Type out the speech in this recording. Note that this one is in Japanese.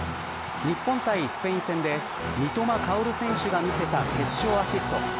日本対スペイン戦で三笘薫選手が見せた決勝アシスト。